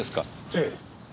ええ。